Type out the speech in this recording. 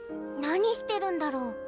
何してるんだろ？